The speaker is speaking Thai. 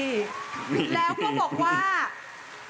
แล้วก็บอกว่า